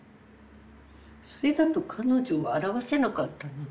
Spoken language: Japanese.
それだと彼女を表せなかったので。